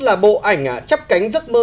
là bộ ảnh chắp cánh giấc mơ